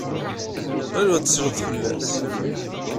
Qrib ad tesleḍ fell-as.